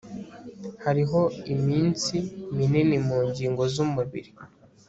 Hariho imitsi minini mu ngingo zumubiri